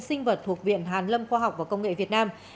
sinh vật thuộc viện hàn lâm khoa học và công nghệ việt nam